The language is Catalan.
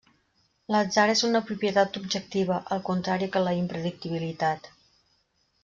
L'atzar és una propietat objectiva, al contrari que la impredictibilitat.